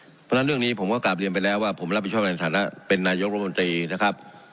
เพราะฉะนั้นเรื่องนี้ผมก็กลับเรียนไปแล้วว่าผมรับผิดชอบในฐานะเป็นนายกรมนตรีนะครับ